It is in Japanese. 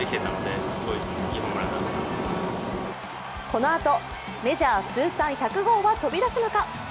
このあとメジャー通算１００号は飛び出すのか？